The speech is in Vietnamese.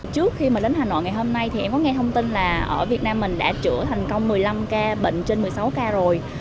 trước khi mà đến hà nội ngày hôm nay thì em có nghe thông tin là ở việt nam mình đã chữa thành công một mươi năm ca bệnh trên một mươi sáu ca rồi